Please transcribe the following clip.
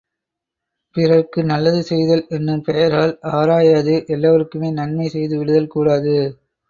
பிறர்க்கு நல்லது செய்தல் என்னும் பெயரால் ஆராயாது எல்லாருக்குமே நன்மை செய்து விடுதல் கூடாது.